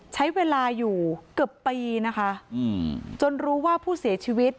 ใช้เวลาอยู่เกือบปีนะคะจนรู้ว่าผู้เสียชีวิต